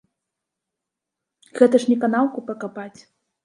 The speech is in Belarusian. Гэта ж не канаўку пракапаць.